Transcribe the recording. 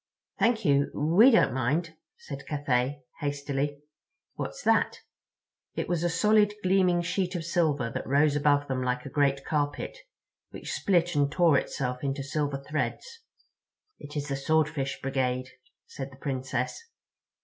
"Thank you, we don't mind," said Cathay hastily. "What's that?" It was a solid, gleaming sheet of silver that rose above them like a great carpet—which split and tore itself into silver threads. "It is the Swordfish Brigade," said the Princess.